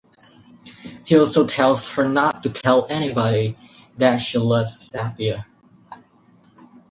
He also tells her not to tell anybody that she loves Sathya.